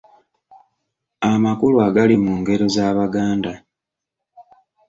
Amakulu agali mu ngero z’Abaganda.